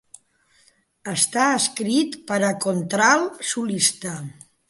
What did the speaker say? Està escrit per a contralt solista.